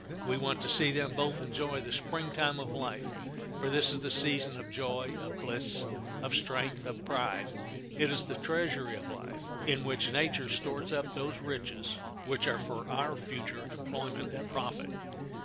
We want to see them both enjoy the Spring time of life, for this is the season of joy, of bliss, of strength, of pride; it is the treasury of life, in which nature stores up those riches which are for our future employment and profit.